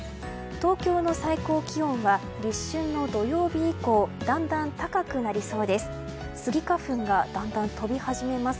東京の最高気温は立春の土曜日以降だんだん高くなりそうです。